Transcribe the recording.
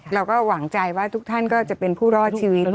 เราก็หวังใจว่าทุกท่านก็จะเป็นผู้รอดชีวิต